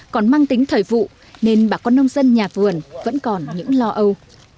còn mang tính thời vụ nên bà con nông dân nhà vườn vẫn còn những lo âu